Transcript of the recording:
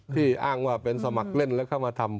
อ้างว่าเป็นสมัครเล่นแล้วเข้ามาทำ